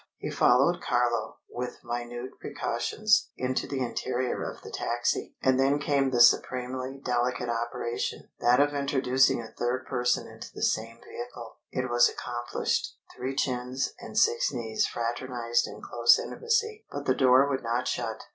He followed Carlo, with minute precautions, into the interior of the taxi. And then came the supremely delicate operation that of introducing a third person into the same vehicle. It was accomplished; three chins and six knees fraternized in close intimacy; but the door would not shut.